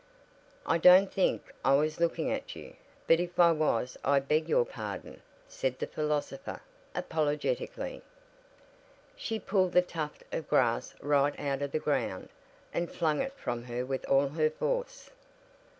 "I don't think I was looking at you, but if I was I beg your pardon," said the philosopher, apologetically. She pulled the tuft of grass right out of the ground, and flung it from her with all her force.